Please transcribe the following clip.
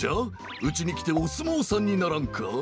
うちにきておすもうさんにならんか？